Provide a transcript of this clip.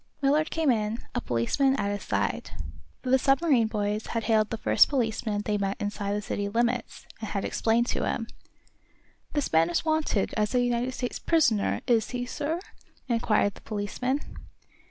Millard came in, a policeman at his side, for the submarine boys had hailed the first policeman they met inside the city limits, and had explained to him. "This man is wanted as a United States prisoner, is he, sir?" inquired the policeman.